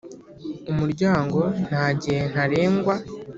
Umuryango nta gihe ntarengwa